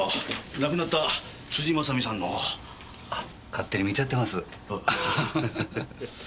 亡くなった辻正巳さんの。あっ勝手に見ちゃってます。